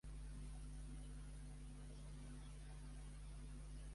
Califòrnia i fou entrenat principalment per Pancho Segura.